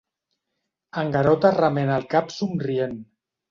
En Garota remena el cap somrient.